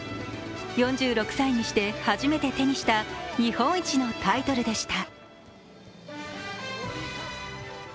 ４６歳にして初めて手にした日本一のタイトルでした。